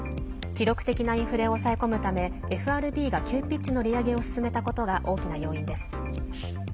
記録的なインフレを抑え込むためＦＲＢが急ピッチの利上げを進めたことが大きな要因です。